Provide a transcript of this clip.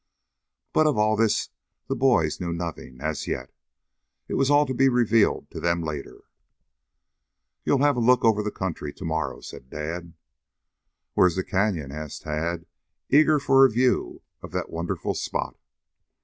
But of all this the boys knew nothing as yet. It was all to be revealed to them later. "You'll have a look over the country tomorrow," said Dad. "Where is the Canyon?" asked Tad, eager for a view of the wonderful spot.